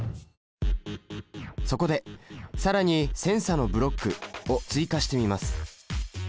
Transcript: そこで更に「センサのブロック」を追加してみます。